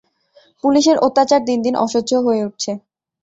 পুলিশের অত্যাচার দিনদিন অসহ্য হয়ে উঠছে।